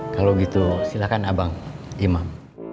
kalau gitu silahkan abang imam